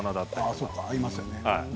ああそうか合いますよね。